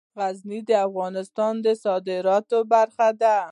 غزني د افغانستان د صادراتو برخه ده.